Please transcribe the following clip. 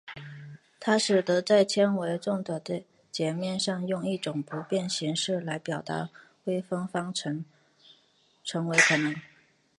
它使得在纤维丛的截面上用一种不变形式来表达微分方程成为可能。